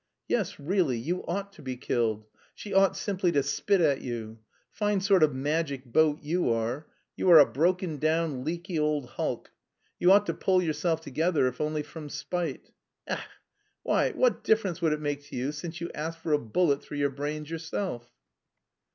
"Yes, really, you ought to be killed! She ought simply to spit at you! Fine sort of 'magic boat,' you are; you are a broken down, leaky old hulk!... You ought to pull yourself together if only from spite! Ech! Why, what difference would it make to you since you ask for a bullet through your brains yourself?"